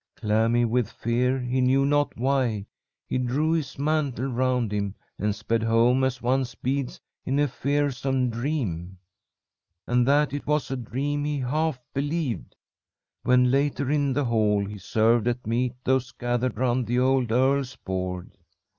Clammy with fear, he knew not why, he drew his mantle round him and sped home as one speeds in a fearsome dream. And that it was a dream he half believed, when later, in the hall, he served at meat those gathered round the old earl's board.